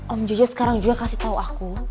om jojo sekarang juga kasih tahu aku